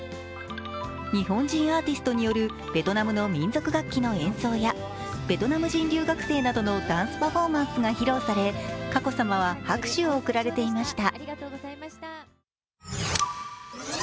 日本人アーティストによるベトナムの民族楽器の演奏やベトナム人留学生などのダンスパフォーマンスが披露され、佳子さまは拍手を送られていました。